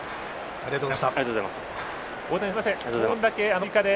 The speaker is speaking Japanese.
ありがとうございます。